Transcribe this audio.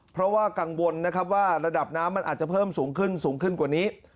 เพราะว่ากังวลนะครับว่าระดับน้ำมันอาจจะเพิ่มสูงขึ้นสูงขึ้นกว่านี้